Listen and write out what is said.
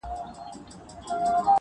له کارګه سره پنیر یې ولیدله-